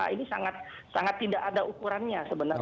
ini sangat tidak ada ukurannya sebenarnya